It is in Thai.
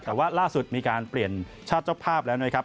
แต่ว่าล่าสุดมีการเปลี่ยนชาติเจ้าภาพแล้วนะครับ